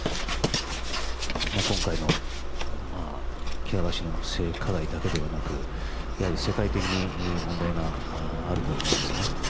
今回のジャニー氏の性加害だけではなく、世界的に問題があると思うんですね。